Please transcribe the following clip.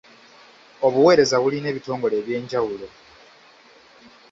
Obuwereza bulina ebitongole eby'enjawulo.